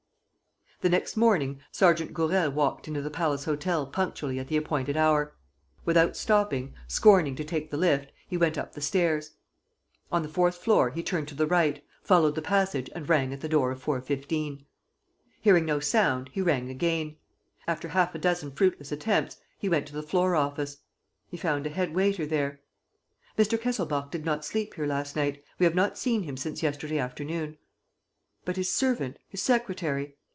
The next morning, Sergeant Gourel walked into the Palace Hotel punctually at the appointed hour. Without stopping, scorning to take the lift, he went up the stairs. On the fourth floor he turned to the right, followed the passage and rang at the door of 415. Hearing no sound, he rang again. After half a dozen fruitless attempts, he went to the floor office. He found a head waiter there: "Mr. Kesselbach did not sleep here last night. We have not seen him since yesterday afternoon." "But his servant? His secretary?"